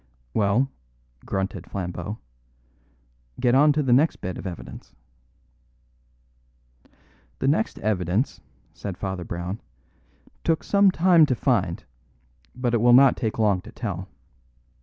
"Well," grunted Flambeau, "get on to the next bit of evidence." "The next evidence," said Father Brown, "took some time to find, but it will not take long to tell.